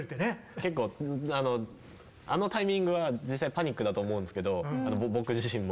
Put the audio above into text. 結構あのタイミングは実際パニックだと思うんですけど僕自身も。